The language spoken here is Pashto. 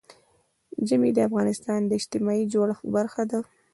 ژمی د افغانستان د اجتماعي جوړښت برخه ده.